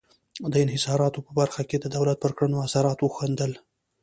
د انحصاراتو په برخه کې د دولت پر کړنو اثرات وښندل.